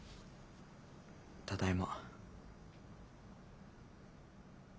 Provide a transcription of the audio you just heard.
ただいま。